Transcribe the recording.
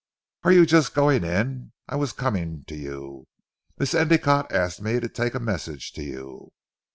"Are you just going in? I was coming to you. Miss Endicotte asked me to take a message to you."